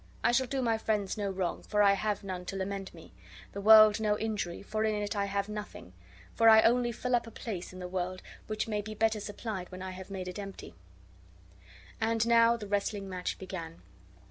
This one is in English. I shall do my friends no wrong, for I have none to lament me; the world no injury, for in it I have nothing; for I only fill up a place in the world which may be better supplied when I have made it empty." And now the wrestling match began.